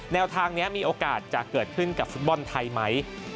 แนวทางนี้มีโอกาสจะเกิดขึ้นกับฟุตบอลไทยไหม